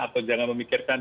atau jangan memikirkan